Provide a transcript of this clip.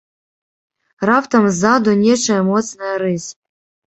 Раптам ззаду нечая моцная рысь.